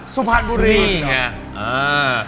สุพรรณบุรีไง